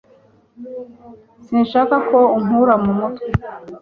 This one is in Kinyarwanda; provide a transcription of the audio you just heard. Sinshaka ko unkura mu mutwe